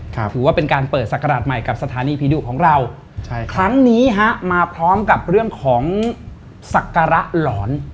ถือว่าเป็นการเปิดศักราชใหม่กับสถานีผีดุของเราใช่ครับครั้งนี้ฮะมาพร้อมกับเรื่องของศักระหลอน